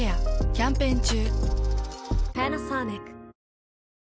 キャンペーン中。